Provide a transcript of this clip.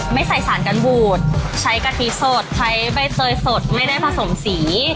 ไม่ใส่สารกันบูดใช้กะทิสดใช้ใบเตยสดไม่ได้ผสมสี